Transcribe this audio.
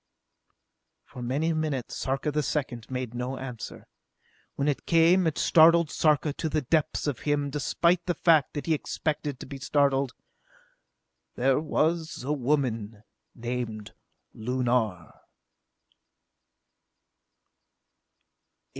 For many minutes Sarka the Second made no answer. When it came it startled Sarka to the depths of him, despite the fact that he had expected to be startled. "There was a woman named Lunar!"